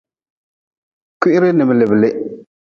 Kwiri n miliblih.